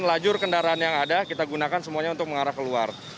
lajur kendaraan yang ada kita gunakan semuanya untuk mengarah keluar